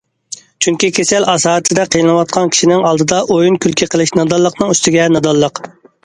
چۈنكى كېسەل ئاسارىتىدە قىينىلىۋاتقان كىشىنىڭ ئالدىدا ئويۇن- كۈلكە قىلىش نادانلىقنىڭ ئۈستىگە نادانلىق.